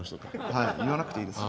はい言わなくていいです。